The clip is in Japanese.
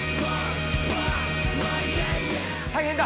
大変だ。